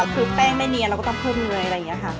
คือแป้งไม่เนียนเราก็ต้องเพิ่มเลยอะไรอย่างนี้ค่ะ